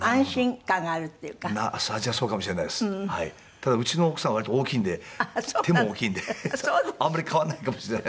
ただうちの奥さん割と大きいんで手も大きいんであんまり変わんないかもしれないですね。